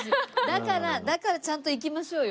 だからだからちゃんと行きましょうよ。